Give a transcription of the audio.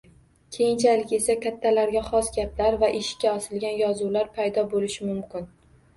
Keyinchalik esa kattalarga xos gaplar va eshikka osilgan yozuvlar paydo bo‘lishi mumkin.